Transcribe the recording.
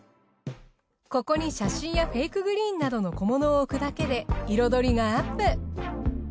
ここに写真やフェイクグリーンなどの小物を置くだけで彩りがアップ。